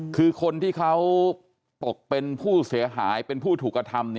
คือคนที่เขาตกเป็นผู้เสียหายเป็นผู้ถูกกระทำ